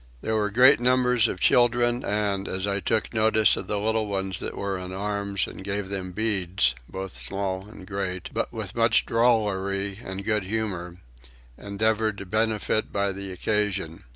There were great numbers of children and, as I took notice of the little ones that were in arms and gave them beads, both small and great, but with much drollery and good humour, endeavoured to benefit by the occasion.